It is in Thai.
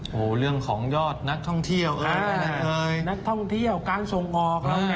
โอ้โหเรื่องของยอดนักท่องเที่ยวเอ้ยนักท่องเที่ยวการส่งออก